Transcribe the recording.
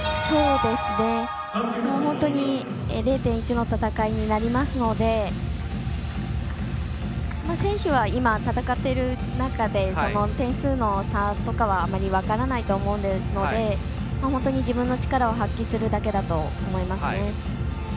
本当に０．１の戦いになりますので選手は今、戦っている中で点数の差とかはあまり分からないと思うので本当に自分の力を発揮するだけだと思いますね。